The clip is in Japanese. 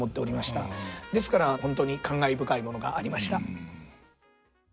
ですから本当に感慨深いものがありました。